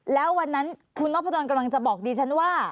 แล้ววันนั้นคุณนพดลกำลังจะบอกดิฉันว่า